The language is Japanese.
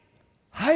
はい。